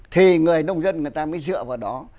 thì người nông dân người ta mới dựa vào đó